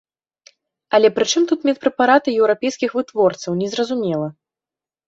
Але прычым тут медпрэпараты еўрапейскіх вытворцаў, незразумела.